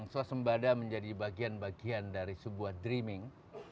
suasembada menjadi bagian bagian dari sebuah dreaming